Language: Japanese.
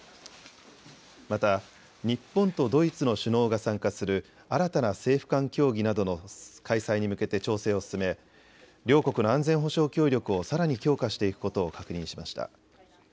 また日本とドイツの首脳が参加する新たな政府間協議などの開催に向けて調整を進め両国の安全保障協力をさらに強化していくことを確認しました。